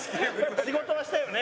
仕事はしたよね